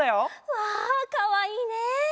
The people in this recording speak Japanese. わあかわいいね！